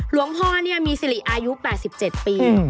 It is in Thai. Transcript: หลวงพ่อมีสิริอายุ๘๗ปี